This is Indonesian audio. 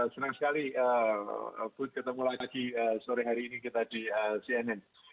senang sekali bud ketemu lagi sore hari ini kita di cnn